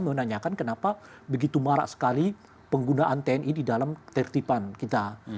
menanyakan kenapa begitu marak sekali penggunaan tni di dalam ketertiban kita